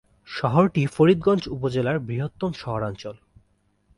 শহরটি ফরিদগঞ্জ উপজেলার বৃহত্তম শহরাঞ্চল।